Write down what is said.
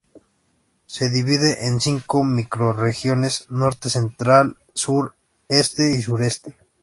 Se divide en cinco microrregiones: norte, central, sur, este y sureste.